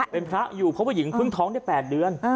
เป็นพระอยู่เพราะผู้หญิงเพิ่งท้องได้๘เดือน